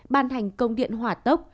ban hành công điện hỏa tốc